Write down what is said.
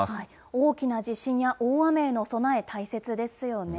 大きな地震や大雨への備え、大切ですよね。